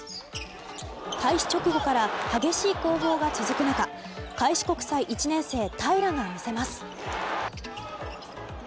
開始直後から激しい攻防が続く中開志国際１年生平良が見せます。